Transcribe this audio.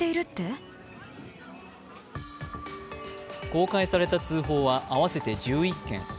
公開された通報は合わせて１１件。